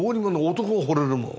男がほれるもん。